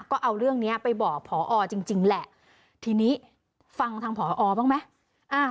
ก็เอาเรื่องเนี้ยไปบอกพอจริงจริงแหละทีนี้ฟังทางผอบ้างไหม